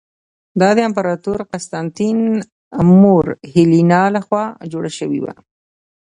دا د امپراتور قسطنطین مور هیلینا له خوا جوړه شوې وه.